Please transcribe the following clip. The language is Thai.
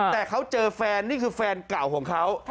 แต่เขาเจอแฟนนี่คือแฟนเก่าของเขา